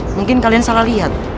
mungkin kalian salah lihat